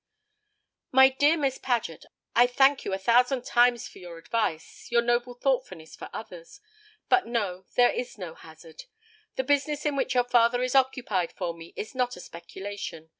"My dear Miss Paget, I thank you a thousand times for your advice, your noble thoughtfulness for others. But no, there is no hazard. The business in which your father is occupied for me is not a speculation.